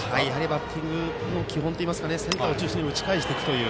バッティングの基本といいますかセンターへ打ち返していくという。